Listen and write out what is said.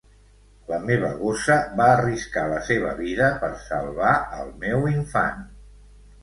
La meva gossa va arriscar la seva vida per salvar el meu infant.